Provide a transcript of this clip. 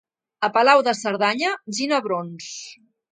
A Palau de Cerdanya, ginebrons.